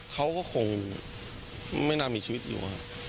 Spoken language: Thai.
เขาก็คงไม่น่ามีชีวิตอยู่